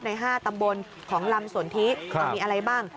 ใน๕ตำบลของลำสนทิมีอะไรบ้าง